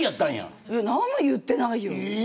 何も言ってないよ。